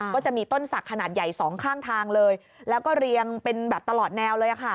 ก็จะมีต้นศักดิ์ขนาดใหญ่สองข้างทางเลยแล้วก็เรียงเป็นแบบตลอดแนวเลย